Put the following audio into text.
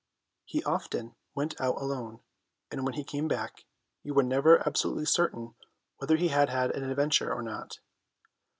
He often went out alone, and when he came back you were never absolutely certain whether he had had an adventure or not.